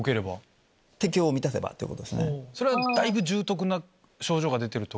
それはだいぶ重篤な症状が出てるとか？